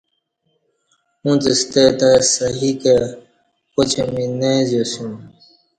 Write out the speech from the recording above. اُݩڅ ستہ تہ سہی کہ پاچیں می نہ اآزیا سیوم ۔